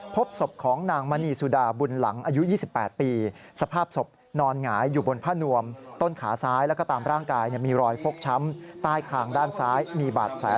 พบศพของนางมณีสุดาบุญหลังอายุ๒๘ปี